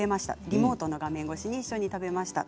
リモートの画面越しに一緒に食べました。